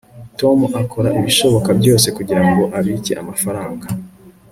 tom akora ibishoboka byose kugirango abike amafaranga